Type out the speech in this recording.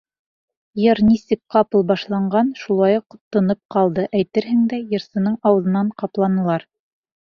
Йыр нисек ҡапыл башланған, шулай уҡ тынып ҡалды, әйтерһеңдә, йырсының ауыҙын ҡапланылар.